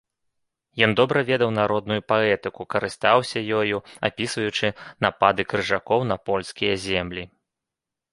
Ён добра ведаў народную паэтыку, карыстаўся ёю, апісваючы напады крыжакоў на польскія землі.